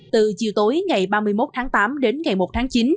từ chiều tối ngày ba mươi một tháng tám đến ngày một tháng chín